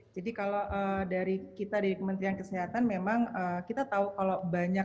jadi kalau dari kita di kementerian kesehatan memang kita tahu kalau banyak